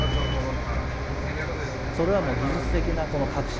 それはもう技術的なこの革新。